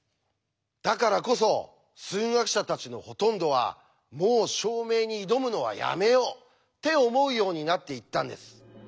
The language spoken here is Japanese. だからこそ数学者たちのほとんどはもう証明に挑むのはやめようって思うようになっていったんです。